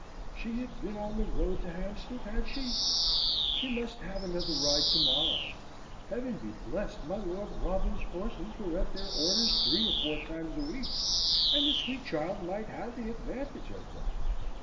She had been on the road to Hampstead, had she? She must have another ride to morrow. Heaven be blessed, my Lord Wrotham's horses were at their orders three or four times a week, and the sweet child might have the advantage of them!"